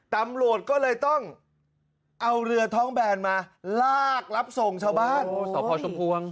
ตำรวจก็เลยต้องเอาเรือท้องแบนมาลากรับส่งชาวบ้านสพชุมพวง